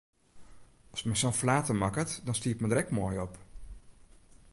As men sa'n flater makket, dan stiet men der ek moai op!